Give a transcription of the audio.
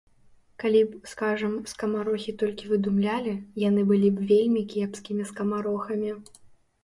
Калі б, скажам, скамарохі толькі выдумлялі, яны былі б вельмі кепскімі скамарохамі.